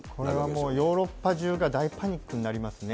これはもう、ヨーロッパ中が大パニックになりますね。